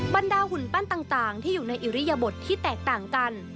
บรรดาหุ่นปั้นต่างที่อยู่ในอิริยบทที่แตกต่างกัน